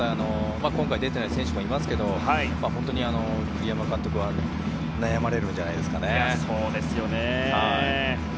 今回出ていない選手もいますが栗山監督は悩まれるんじゃないですかね。